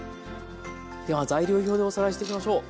では材料表でおさらいしていきましょう。